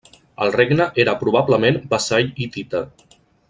El regne era probablement vassall hitita.